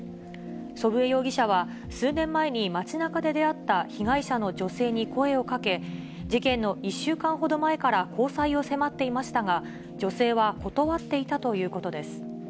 祖父江容疑者は、数年前に街なかで出会った被害者の女性に声をかけ、事件の１週間ほど前から交際を迫っていましたが、女性は断っていたということです。